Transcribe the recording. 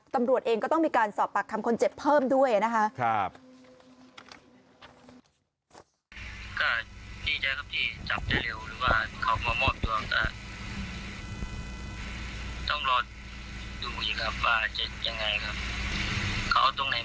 ตำรวจเองก็ต้องมีการสอบปากคำคนเจ็บเพิ่มด้วยนะคะ